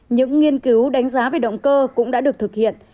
những nghiên cứu đánh giá về động cơ cũng đã được thực hiện